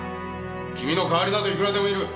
君の代わりなどいくらでもいる。